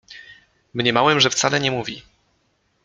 Mniemałem, że wcale nie mówi.